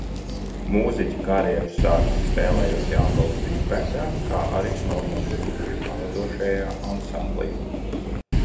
Mūziķa karjeru sācis, spēlējot Jelgavas Bigbendā, kā arī Normunda Rutuļa pavadošajā ansamblī.